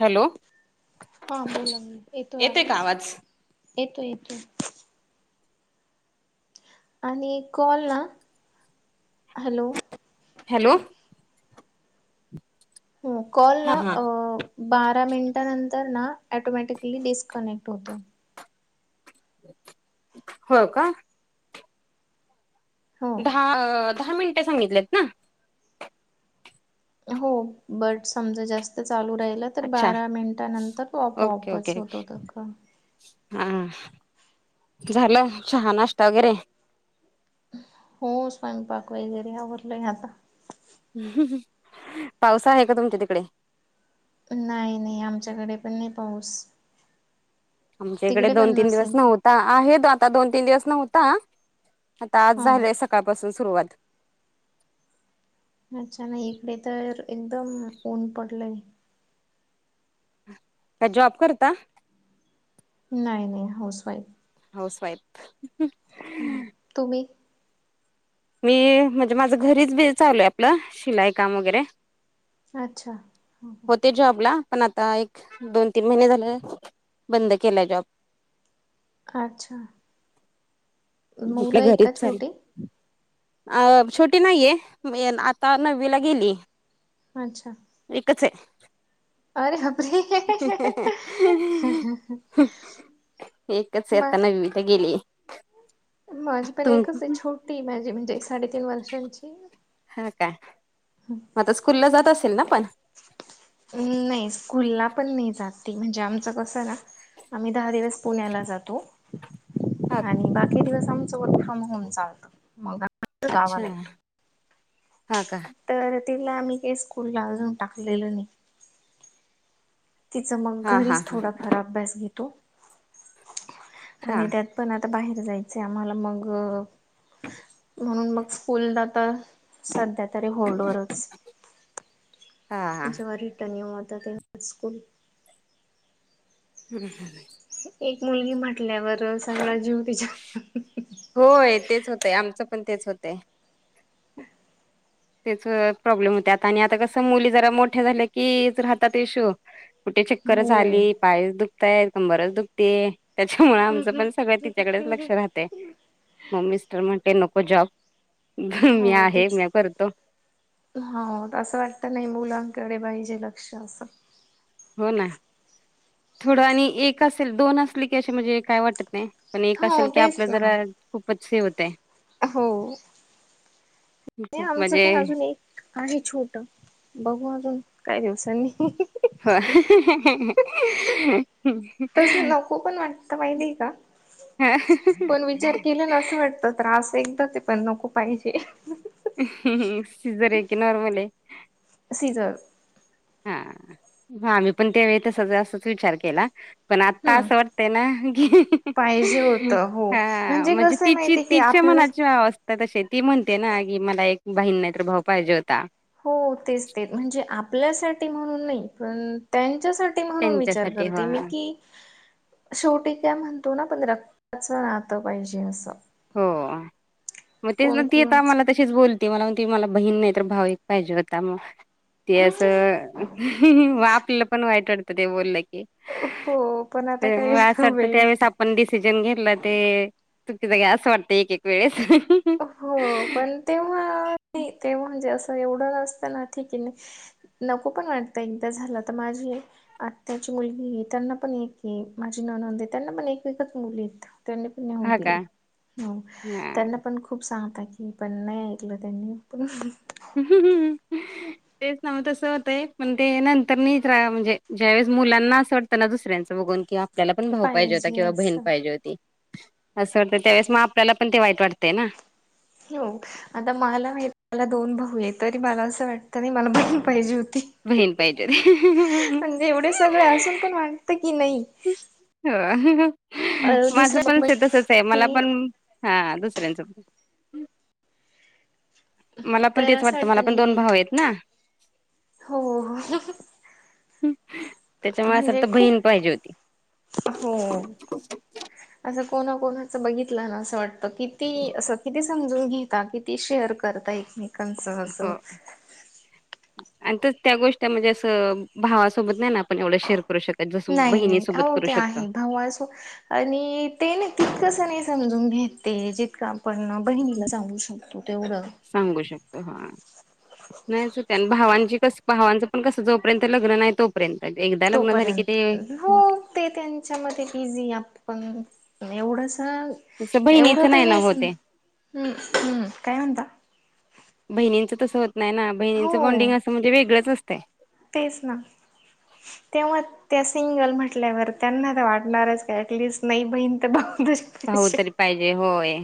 Hello हा बोला येतोय आवाज येतोय येतोय. आणि कॉल ना, हॅलो. हॅलो ह कॉल ना हा हा अ बारा मिनिटानंतर ना ॲटोमॅटिकली डिस्कनेक्ट होतो. हो का? हो दहा अ दहा मिनिटे सांगितलेत ना? हो बट समजा जास्त चालू राहिल तर अच्छा बारा मिनिटानंतर तो ओके ओके ऑपॉपच होत होत का. हा झालं चहा नाश्ता वगैरे? हो स्वयंपाक वगैरे आवरलंय आता. पावस आहे का तुमच्या तिकडे? नाही नाही आमच्याकडे पण नाही पाऊस. आमच्या इकडे तिकडे पण दोन तीन दिवस नसेल नव्हत ता आहे आता दोन तीन दिवस नव्हता, आता आज हा झालेय सकाळपासून सुरुवात. अच्छा नाही इकडे तर एकदम ऊन पडलंय. काय जॉब करता? नाही नाही हाऊस वाईफ. Housewife. ह् तुम्ही? मी म्हणजे माझं घरीच बी चालूय आपलं शिलाई काम वगैरे. अच्छा ह ह. ते जॉबला पण आता एक दोन तीन महिने झाले बंद केलाय जॉब. अच्छा ल्या मुलं आहेत घरीच का चाल छोटी? अ छोटी नाहीये आता नववीला गेली. अच्छा एकच आहे. अरे बापरे! एकच आहे म आता नवीं ला गेली. माझी पण तुम एकच आहे. छोटी माझी म्हणजे साडेतीन वर्षांची. हा का? म आता स्कूलला जात असेल ना पण? नाही स्कूलला पण नाही जात ती म्हणजे आमचं कसं ना आम्ही दहा दिवस पुण्याला जातो. हा आणि बाकी दिवस आमचं वर्क फ्रॉम होम चालतं मग आम्ही गावाला येतो. ह का? तर तिला आम्ही काय स्कूलला अजून टाकलेलं नाही. तिचं मग हा हा घरीच हा थोडाफार अभ्यास घेतो हा आणि त्यात पण आता बाहेर जायचं आम्हाला मग म्हणून मग स्कूलला त सध्या तरी होल्ड वरच. [inaudible] हा हा जेव्हा रिटर्न ही होता तेव्हा स्कूल हम्म हम्म. एक मुलगी म्हटल्यावर सगळा जीव तिच्या होय तेच होतंय आमचं पण तेच होतंय. [unintelligible] तेच वेळा प्रॉब्लेम होते आता आणि आता कसं मुली जरा मोठ्या झाल्याच की राहतात इशू कुठे चक्करच हो. आली, पायच दुखतायत कंबरच दुख ते त्याच्यामुळे आमचं पण सगळं तिच्याकडेच लक्ष राहतं म मिस्टर म्हणते न को जॉब मी हो आहे तेच मी कर हो असं वाटतं नाही मुलांकडे पाहिजे लक्ष असं. हो ना थोडं आणि एक असेल दोन असले की अशे म्हणजे काय वाटत नाही. पण एक हो असेल की तेच आपलं ना जरा खूपच हे होतय. हो नाही खूप आमचं म्हणजे काय अजून एक आहे छोट बघू अजून काय दिवसांनी. होय. तसं नको पण वाटतं माहितीय का. पण विचार केले नाअसं वाटतं त्रास एकदा ते पण नको पाहिजे. सिझर आहे की नॉर्मल आहे? सिझर हा हा मी पण त्यावेळी तसज असच विचार केला पण आता हम्म. असं वाटतय ना की पाहिजे होतं हो हा म्हणजे कसं आहे तिची माहिती की तिच्या आपल्या मनाची अवस्था तशी ती म्हणते ना की, मला एक बहीण नाही तर भाऊ पाहिजे होता. हो तेच तेच म्हणजे आपल्यासाठी म्हणून नाही पण त्यांच्यासा ते म्हणून विचार त्यांच्यासाठी हा करते मी की शेवटी काय म्हणतो ना पण रक्ताच राहतं पाहिजे असं. हो मग तेच ना कोण ती कोणाच आम्हाला तशीच बोलती मला म्हणती मला बहीण नाही तर भाऊ एक पाहिजे होता मग ते असं म आपलं पण वाईट वाटतं ते बोललं की. हो पण आता काही वेळ पण डीसीजन घेतला ते हे बाई असं वाटतं एक-एक वेळेस. हो पण तेव्हा नाही तेव्हा म्हणजे असं एवढं नसतं ना की नाही नको पण वाटतं एकदा झालं तर माझी आत्याची मुलगी त्यांना पण एक आहे माझी ननंद आहे त्यांना पण एक- एकच मुली आहेत त्यांनी ने होऊ हा दिले का हम्म हा त्याने पण खूप सांगता की पण नाही ऐकलं त्यांनी पण. [unintelligible] तेच ना हो तसं होतय पण ते नंतर नहीच रहावा म्हणजे ज्यावेेळेस मुलांना असं वाट तं त्यांना दुसऱ्यांचं बघून कि आपल्याला पण भाऊ पाहिजे होता किंवा बहीण पाहिजे होती असं वाटतं त्यावेळेस मग आपल्याला पण ते वाईट वाटतय ना. ह्यो आता मला हे मला दोन भाऊ आहे तरी मला असं वाटतं नाही मला बहीण पाहिजे होती. बहीण पाहिजे रे. म्हणजे एवढे सगळे असून पण वाटतं की नाही हो अ, माझं पण दुसऱ्या तसच आहे की मला पण हा दुसऱ्यांचं पण मला पण तर तेच असं वाटतं मला पण नाही दोन नाही भाऊ आहेत ना हो त्याच्यामुळे असं वा म्हणजे तर खूप बहीण पाहिजे होती. हो असं कोणा कोणाच बघितलं ना असं वाटत किती असं किती समजून घेता कि ते शेअर करता एकमेकांच असं हो. आणि त्या गोष्टी म्हणजे असं भावासोबत नाही ना आपण एवढं शेअर. [unintelligible] नाही नाही बहिणीसोबत हो करू ते शकतो. आहे भाऊ अस आणि ते ना तितकसं नाही समजून घेते जितकं आपण बहिणीला सांगू शकतो. तेवढं. सांगू शकतो हा. नाहीच होत्या भावांची कस भावांचं पण कसं जोपर्यंत लग्न नाही तो र्यंत एकदा लग्न झाले की तोपर्यंत ते. हो ते त्यांच्यामध्ये बिझी आपण एवढंसं. तसं बहिणीचं एवढंतही ना नाही होते हम्म हम्म. काय म्हणतता? बहिणींचं तसं होत नाही ना बहिणींचं हो बॉन्डिंग असं म्हणजे वेगळंच असतंय. तेच ना तेव्हा त्या सिंगल म्हटल्यावर त्यांना तर वाटणारच का ऍटलिस्ट नाही बहीण तर बघत भाऊ तरी पाहिजे होय.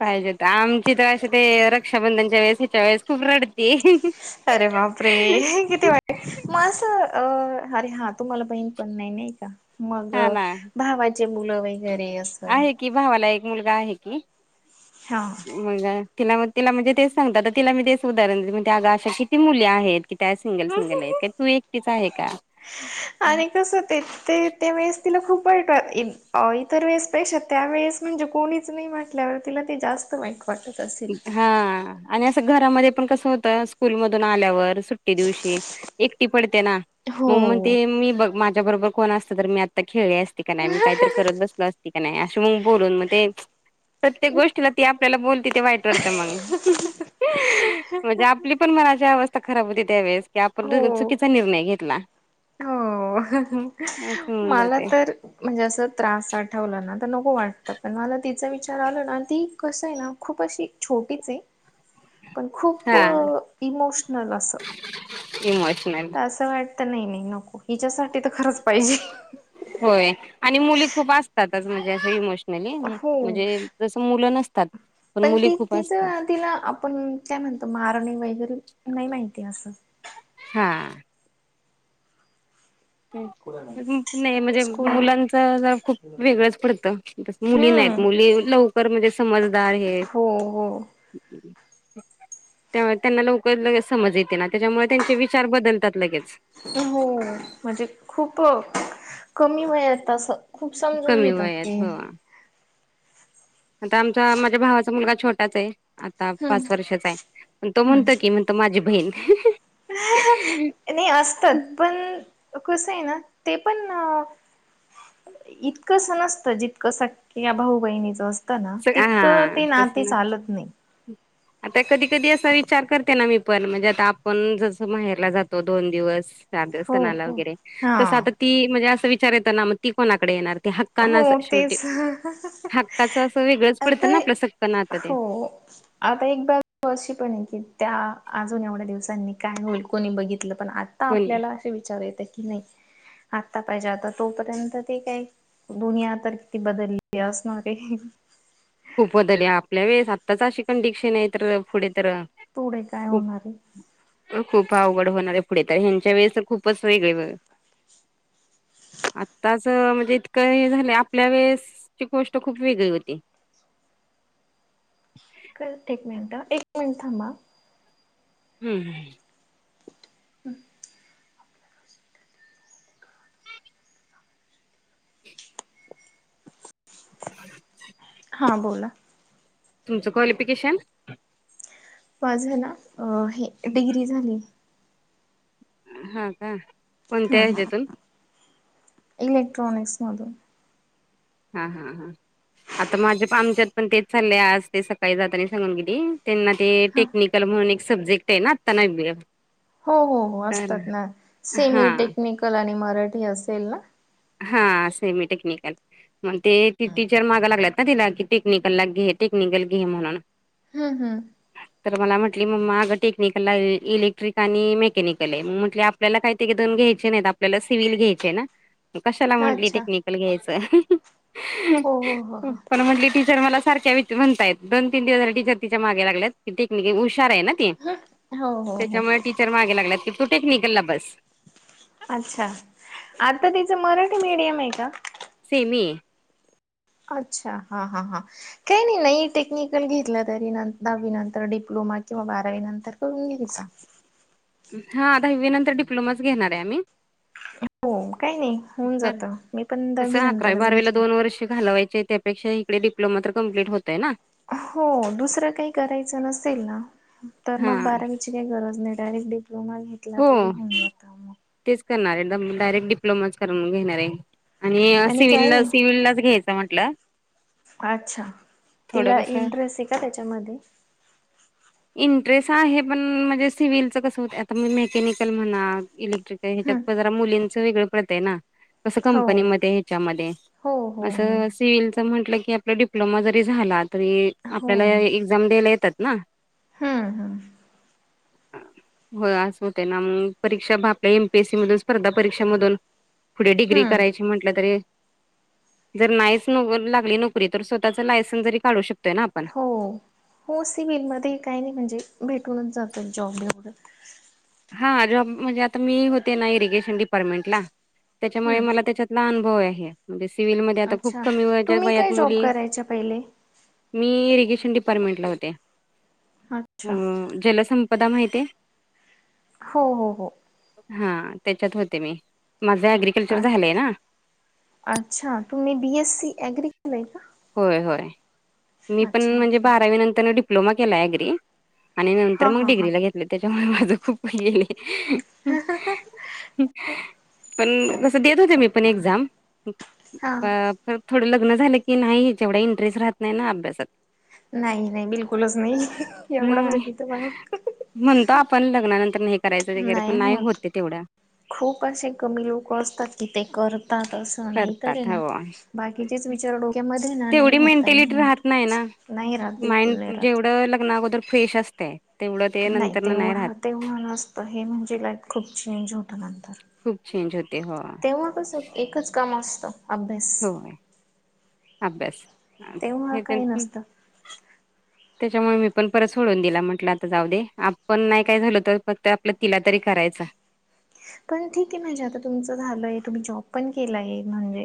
पाहिजे आमचे तर असं ते रक्षाबधनच्या वेळेस हिच्या वेळेस खूप रड ते. अरे बापरे किती मग असं अ अरे हा तुम्हाला बहीण पण नाही नाही का मग हा ना भावाचे मुलं वगैरे असं. कि भावाला एक मुलगा आहे की. हा. मग तिला म तिला म्हणजे तेच सांगतात तर तिला मी तेच उदाहरण देत ते अग अशी अशी किती मुली आहेत कि त्या सिंगल सिंगल आहेत का तू एकटीच आहे का. आणि कस ते ते ते वेळेज तिला खूप वाट इतर वेळेस पेक्षा त्या वेळेस. म्हणजे कोणीच नाही वाटल्यावर तिला ते जास्त वाईट वाटत अस. हा आणि असं घरामध्ये पण कस होत स्कूल मधून आल्यावर सु दिवशी एकटी पडते ना मग म हो ते मी बघ माझ्या बरोबर कोण असत तर मी आता खेळले नाही मी काहीत करत बसलो असती का नाही अस मग बोलून मग ते प्रत्येक गोष्टीला ती ब ते वाईट वात मग म्हणजे आपली पण मना अवस ता खराब होती त्या वेळेस की आपण हो चुकीचा निर्णय घेतला हो हन ह असं होऊन मला जाते तर म्हणजे असं त्रास आठवलं ना तर नको वाटतं पण मला तिचा विचार आला ना ती कसं आहे ना खूप अशी छोटीच ये [unintelligible] पण खूप हा इमोशनल असं ई मच नाही तर असं वाटत नाही नाही नको हिच्यासाठी तर खरंच पाहिजे. होय आणि मुली खूप असतातच म्हणजे असं इमोशनली हो म्हणजे जस मुलं नसतात. पण मुली ती खूप असतात तिचं तिला आपण काय म्हणतो मारणे वगैरे नाही माहिती असं. हा! कुडं नाय? नाही म्हणजे मुलांच जरा खूप वेगळंच पडतं. मुली नाहीत हम्म मुली लवकर बरं म्हणजे समजदार हे. हो हो. त्यामुळे त्यांना लवकर लगेच समज येते ना, त्याच्यामुळे त्यांचे विचार बदलतात लगेच. हो म्हणजे खूप कमी वयात असं, खूप समजून कमी घेतात ते. वयात हो आता आमचा माझ्या भावाचा मुलगा छोटाच आहे, आता पाच वर्षाचा आहे पण तो हम्म म्हणतो की म्हण, तं माझी बहीण [inaudible] नाही असतात पण, कसं, आहे ना ते पण अं इतकसं नसतं जितकं असं सख्ख्या या भाऊ बहिणीचं असतं. तं ना तितकं हा ते तस नाती चालत नाही. आता कधी, कधी असा विचार करते ना मी पण म्हणजे आता आपण जसं, माहेरला जातो दोन दिवस जातो हो सणाला हो. वैगरे, तसं हा आता ती म्हणजे असं विचार येतं ना मग ती कोणाकडे येणार ती हक् हो तेच हं हं हक्काचं असं वेगळंच पडतं आता ना आपलं सक्क नातं ते हो आता एक बाजु अशी पण आहे, की त्या अजून एवढ्या दिवसांनी काय होईल कोणी बघितलं पण आ आता पण आपल्याला असे विचार येता की नाही आत्ता पाहिजे आता तोपर्यंत ते काय दुनिया तर किती बदललेली असणार हे. खूप बदल आहे आपल्या वेळेस आत्ताच अशी कंडिकशन आहे तर पुढे तर पुढे काय खूप होणारये? खूप अवघड होणार आहेे पुढे तर ह्यांच्या वेळेस खूपच वेगळे वे [inaudible] आत्ताच म्हणजे इतकं हे झालं आपल्या वेळेसची गोष्ट खूप वेगळी होती. करते एक मिनटं एक मिनिट थांबा. हम् ह [unintelligible] [inaudible] हां बोला तुमचं क्वालिफिकेशन? माझं ना हे डिग्री झाली. हं का कोणत्या हम्म ह्याच्यातून ह इलेक्ट्रॉनिक्स मधून. हां हां हां आता माझ्या प आमच्यात पण तेच चाललंय आज ते सकाळी जाता आणि सांगून गेली त्यांना ते हा. टेक्निकल म्हणून एक सब्जेक्ट आहे ना, आता नविला. हो हो हो असतात ना सेमी, टेक्निकल, आणि मराठी असेल ना? हा सेमी टेक्निकल. मं ते ती टीचर मागां लागल्यात ना तिला की, टेक्निकलला घे टेक्निकल घे म्हणून. हम् हम्! तर मला म्हटली मंमा अगं टेक्निकल, इलेक्ट्रिक, आणि मेकॅनिकल, आहे म्हटल आपण, आपल्याला काही ते दोन घ्यायचे नाहीत आपल्याला सिव्हल घ्यायचेय ना? कशाला म्हंटली अच्छा टेक्निकल घ्यायचं. हो हो हो हो. पण म्हटली टीचर मला सारख्या विच ते म्हणताय दोन तीन दिवस टीचर तिच्या मागे लागल्यात की टेक्निकल हुशार आहे ना. [unintelligible] हो हो हो त्याच्यामुळे टीचर मागे लागल्यात की, तू टेक्निकल ला बस. अच्छा, आता तिचं मराठी मीडियम आहे का? सेमी ये. अच्छा, हा हा हा. काही नाही, नाही टेक्निकल घेतला तरी दहावी नंतर डिप्लोमा किंवा बारावी नंतर करून घ्यायचा. हां, दहावीनंतर डिप्लोमाच घेणार आहे आम्ही. हो काही नाही होऊन जातं मी पण तसं दहावी अकरा नंतरच बारवीला घेतले. दोन वर्ष घालवायचे, त्या पेक्षा इकडे डप्लोमा तर कम्प्लीट होतय ना. हो, दुसरं काही करायचं नसेल ना तर हा मग बारावीची काय गरज नाही, डायरेक्ट डप्लोमा घेतला तरी हो होऊन जातं मग. तेच करणार आहे. डायरेक्ट डिप्लोमाच, करून घेणार आहे. आणि काय सिव्हलला, नाही सिव्हललाच घ्यायचं म्हटलं. अच्छा, थोडं तिला कसं इंटरेस्ट आहे का त्याच्यामध्ये? इंटरेस्ट आहे, पण म्हणजे सिव्हिलचं कसं होत आता म मेकॅनिकल म्हणा इले ते ह्याच्यात हम्म प जरा मुलींचं, वेगळं पडतंय ना. कसं हो कंपनीमध्ये, ह्याच्यामध्ये हो हो हो असं सिव्हीलचं म्हटलं की आप आपला डिप्लोमा जरी झाला, तरी हो आपल्याला एक्झाम द्यायला येतात ना हम्म्. हो, असं होतंय ना, म्हणून परीक्षा भाप एम. पी. एस. सी. मधून, स्पर्धा परीक्षा मधून पुढे डिग्री हम्म करायची म्हटलं तरी जर नाहीच न लागली नोकरी तर, स्वतःचं लायसन्स जरी काढू शकतोय ना आपण. हो, हो सिव्हलमध्ये काही नाही म्हणजे भेटूनच जातात जॉब एवढे. हा, जॉब म्हणजे आता मी होते ना इरिगेशन डिपार्टमेंटला त्याच्यामुळे हम्म मला त्याच्यात लहान भाऊ आहे म्हणजे सिव्हीलमध्ये आता खूप अच्छा कमी व तुम्ही काय वयात जॉब मुली करायच्या पहिले? मी इरिगेशन डिपार्टमेंटला होते, अच्छा जलसंपदा माहिती आहे? हो हो हो. हा, त्याच्यात होते मी. माझं ॲग्री अच्.. अच्छा तुम्ही बी. एस. सी. अग्री. केलंय का? होय, होय. मी पण अच्छा म्हणजे अच्छा बारावी नंतर डिप्लोमा केला ॲग्री. आणि नंतर हा मग हा हा डिग्रीला घेतले, त्याच्यामुळे माझं खूप वय गेले. पण कसं, देत होते मी पण एक्झाम. हा प पण थोडं लग्न झालं की, नाही जेवढा इंटरेस्ट राहत नाही ना अभ्यासात. नाही.. नाही, बिलकुलच नाही. एवढा हम माहिती होतं मला. म्हणतो आपण, लग्नानंतरनं हे करायचं वगैरे नाही पण होत. होते तेवढ्या. खूप असे कमी लोकं असतात की, ते करतातच. नाही तर है करतात ना, हो बाकीचेच विचार डोक्यामध्ये ना तेवढी नाही होत काही मेंटॅलिटी राहत होत नाही ना, नाही राहत बिलकुल माइंड नाही राहत जेवढं लग्ना अगोदर फ्रेश असतंय नाही तेव्हा, तेव्हा नसतं. हे म्हणजे लाईफ, खूप चेंज होतं नंतर. ज होते, हो. असं एकच काम असतं. अभ्यास, होय अभ्यास. तेव्हा हे काही नसतं. त्याच्यामुळे मी पण परत सोडून दिला, म्हटलं आता जाऊ दे. आपण नाही काय झालो, तर फक्त आपलं तिला तरी करायचं. पण ठीक आहे. म्हणजे आता तुमचं झालंय, तुम्ही जॉब पण केलाय म्हणजे